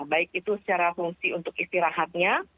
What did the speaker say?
baik itu secara fungsi untuk istirahatnya